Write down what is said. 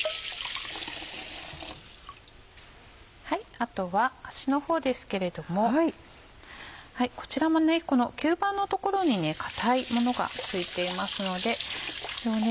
あとは足の方ですけれどもこちらも吸盤の所に硬いものが付いていますのでこれをね